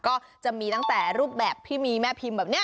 ก็จะมีตั้งแต่รูปแบบที่มีแม่พิมพ์แบบนี้